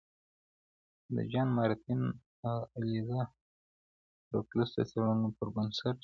د جان مارتین او الیزه رکلوس د څېړنو پر بنسټ،